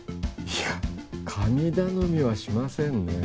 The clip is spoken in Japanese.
いや神頼みはしませんね